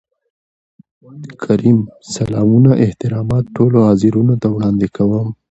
کريم : سلامونه احترامات ټولو حاضرينو ته وړاندې کوم.